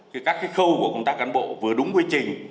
thì các cái khâu của công tác cán bộ vừa đúng quy trình